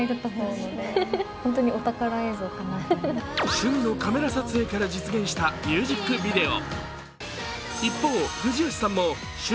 趣味のカメラ撮影から実現したミュージックビデオ。